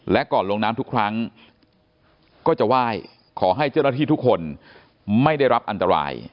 และก่อนลงน้ำทุกครั้งก็จะไหว้ขอให้เจ้าหน้าที่ทุกคนไม่ได้รับอันตราย